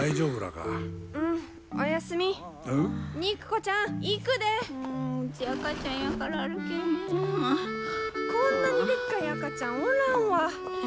こんなにでっかい赤ちゃんおらんわ！